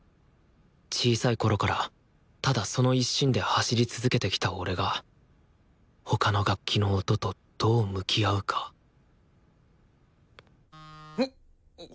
小さいころからただその一心で走り続けてきた俺が他の楽器の音とどう向き合うかんっ！